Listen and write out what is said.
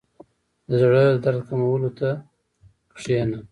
• د زړۀ د درد کمولو ته کښېنه.